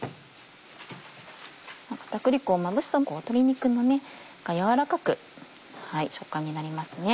片栗粉をまぶすと鶏肉も軟らかく食感になりますね。